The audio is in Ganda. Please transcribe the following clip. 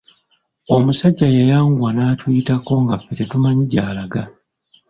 Omusajja yayanguwa n'atuyitako nga ffe tetumanyi gy'alaga.